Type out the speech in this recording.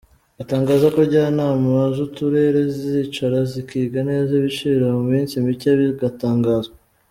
Atangaza ko njyanama z’Uturere zizicara zikiga neza ibiciro mu minsi mike bigatangazwa.